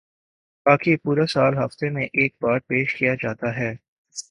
باقی پورا سال ہفتے میں ایک بار پیش کیا جاتا ہے